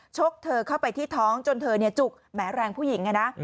กเธอเข้าไปที่ท้องจนเธอจุกแหมแรงผู้หญิงนะ